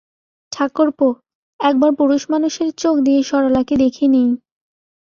ঠাকুরপো, একবার পুরুষমানুষের চোখ দিয়ে সরলাকে দেখে নিই।